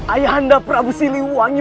ayah anda prabu siliwangi